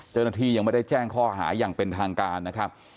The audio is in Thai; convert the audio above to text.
เจ้าหน้าที่ยังไม่ได้แจ้งข้อหาอย่างเป็นทางการนะครับ